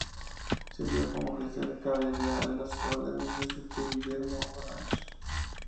Sirvió como oficial de caballería a las órdenes de su tío Guillermo de Orange.